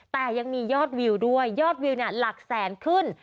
แต่ยังมียอดวิวด้วยยอดวิวหลักแสนขึ้น